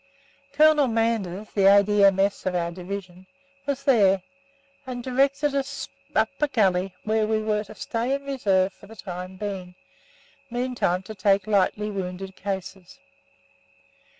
Colonel Manders, the A.D.M.S. of our Division, was there, and directed us up a gully where we were to stay in reserve for the time being, meantime to take lightly wounded cases.